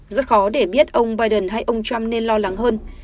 rất khó để biết ông biden hay ông trump nên lo lắng hơn